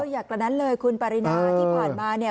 อยากกว่านั้นเลยคุณปรินาที่ผ่านมาเนี่ย